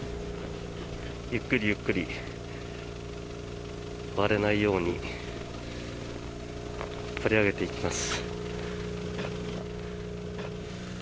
ゆっくりゆっくり割れないように引っ張り上げていきます。